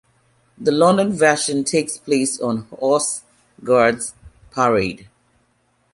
The London version takes place on Horse Guards Parade.